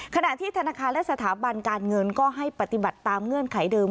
ขณะที่ธนาคารและสถาบันการเงินก็ให้ปฏิบัติตามเงื่อนไขเดิม